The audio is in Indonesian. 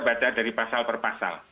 baca dari pasal per pasal